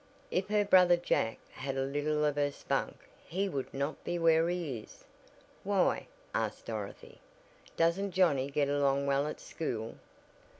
"If her brother Jack had a little of her spunk he would not be where he is." "Why?" asked Dorothy, "doesn't Johnnie get along well at school?"